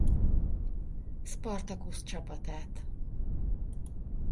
Spartacus csapatát.